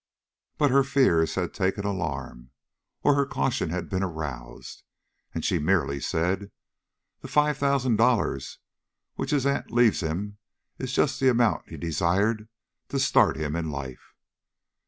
But her fears had taken alarm, or her caution been aroused, and she merely said: "The five thousand dollars which his aunt leaves him is just the amount he desired to start him in life."